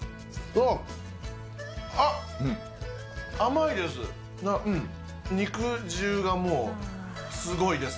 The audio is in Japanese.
あっ、甘いです。